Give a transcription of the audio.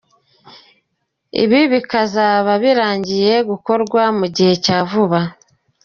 Ibi bikazaba birangiye gukorwa mugihe cyavuba.